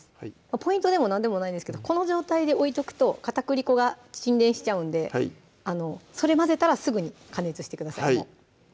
ポイントでも何でもないですけどこの状態で置いとくと片栗粉が沈殿しちゃうんでそれ混ぜたらすぐに加熱してください